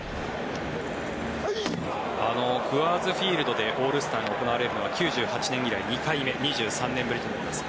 クアーズ・フィールドでオールスターが行われるのは１９９８年以来２回目２３年ぶりとなります。